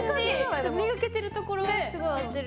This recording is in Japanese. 目がけてるところはすごい合ってる。